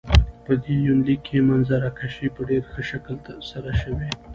په دې يونليک کې منظره کشي په ډېر ښه شکل سره شوي.